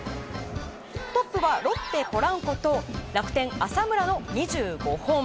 トップはロッテ、ポランコと楽天、浅村の２５本。